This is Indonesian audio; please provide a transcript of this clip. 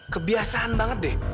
kebiasaan banget deh